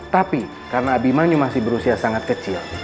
tapi karena abi manyu masih berusia sangat kecil